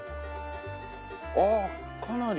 ああかなり。